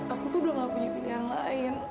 aku tuh udah gak punya pilihan lain